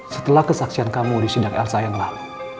setelah kesaksian kamu disidang elsa yang lalu